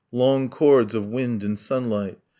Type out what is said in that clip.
. long chords of wind and sunlight. .